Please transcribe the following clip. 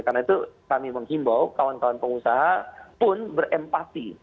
karena itu kami menghimbau kawan kawan pengusaha pun berempati